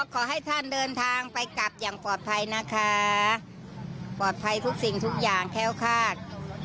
ขอให้ท่านเดินทางไปกลับอย่างปลอดภัยนะคะปลอดภัยทุกสิ่งทุกอย่างแค้วคาด